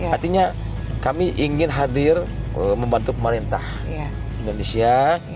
artinya kami ingin hadir membantu pemerintah indonesia